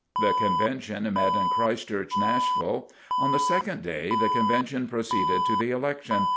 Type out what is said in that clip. The convention met in Christ Church, Nashville. On the second day, the convention proceeded to the election.